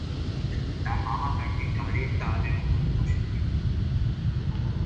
তার বাবা তাকে গানের তাল এবং মাত্রা শিখিয়েছিলেন।